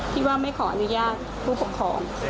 ที่ว่าไม่ขออนุญาตผู้ปกครอง